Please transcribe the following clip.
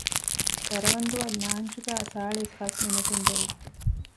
ދަރަވަންދުއަށް ލާންޗުގައި ސާޅީސް ފަސް މިނެޓުން ދެވިއްޖެ